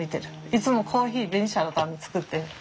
いつもコーヒーベニシアのために作ってる。